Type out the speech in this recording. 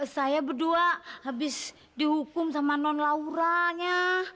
saya berdua habis dihukum sama non lauranya